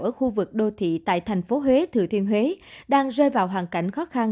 ở khu vực đô thị tại thành phố huế thừa thiên huế đang rơi vào hoàn cảnh khó khăn